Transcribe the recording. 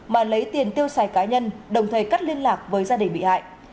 mà lấy tiền tiêu xài cá nhân đồng thời cắt liên lạc với gia đình bị hại